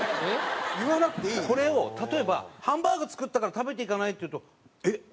これを例えば「ハンバーグ作ったから食べていかない？」って言うと「えっ本当ですか？」